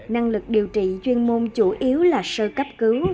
năng lực điều trị chuyên môn chủ yếu là sơ cấp cứu